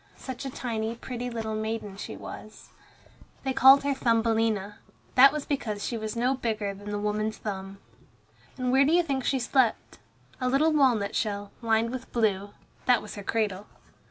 Such a tiny, pretty little maiden she was. They called her Thumbelina. That was because she was no bigger than the woman's thumb. And where do you think she slept? A little walnut shell, lined with blue, that was her cradle.